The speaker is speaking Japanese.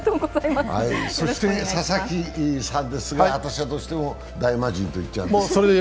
そして佐々木さんですが、私はどうしても大魔神って言っちゃうんですが。